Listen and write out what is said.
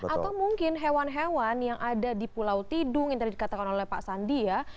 atau mungkin hewan hewan yang ada di pulau tidung yang tadi dikatakan oleh pak sandi ya